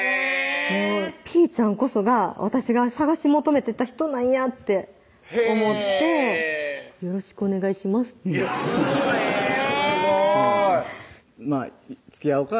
もうぴーちゃんこそが私が探し求めてた人なんやって思って「よろしくお願いします」ってえぇすごい「つきあおか」